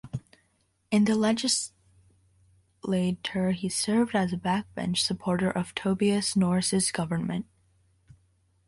In the legislature, he served as a backbench supporter of Tobias Norris's government.